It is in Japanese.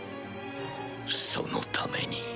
そのために。